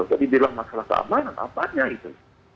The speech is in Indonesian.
jadi bilang masalah keamanan apaannya itu